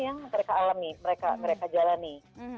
yang mereka alami mereka jalani